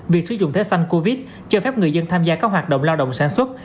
việc sử dụng thẻ sanh covid cho phép người dân tham gia các hoạt động lao động sản xuất